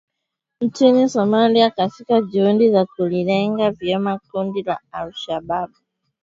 nchini Somalia katika juhudi za kulilenga vyema kundi la al-Shabaab na viongozi wake